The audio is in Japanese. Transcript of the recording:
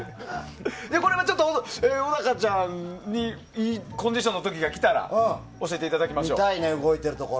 小高ちゃんにコンディションの時が来たら教えていただきましょう。